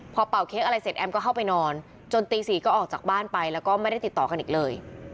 พอเป่าเค้กอะไรเสร็จแอมก็เข้าไปนอนจนตี๔ก็ออกจากบ้านไปแล้วก็ไม่ได้ติดต่อกันอีกเลย